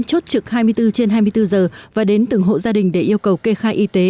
chốt trực hai mươi bốn trên hai mươi bốn giờ và đến từng hộ gia đình để yêu cầu kê khai y tế